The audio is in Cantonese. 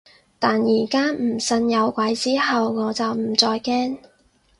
但而家唔信有鬼之後，我就唔再驚